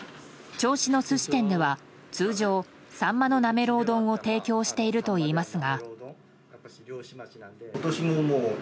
銚子の寿司店では通常サンマのなめろう丼を提供しているといいますが。